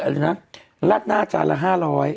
ลาดหน้าจานละ๕๐๐